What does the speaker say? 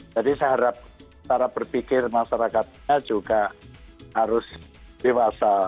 jadi saya harap cara berpikir masyarakatnya juga harus dewasa